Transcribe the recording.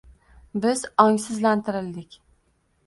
biz ongsizlantirildik.